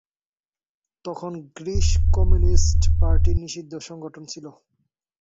তখন Greece communist party নিষিদ্ধ সংগঠন ছিল।